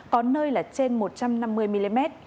có nơi là trên một trăm năm mươi mm